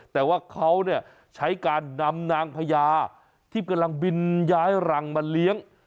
แต่ว่าเขาเนี่ยใช้การนำนางพญาที่กำลังบินย้ายรังมาเลี้ยง